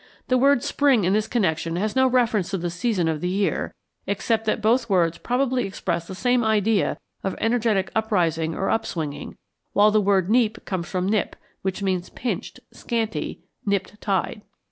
The word spring in this connection has no reference to the season of the year; except that both words probably represent the same idea of energetic uprising or upspringing, while the word neap comes from nip, and means pinched, scanty, nipped tide.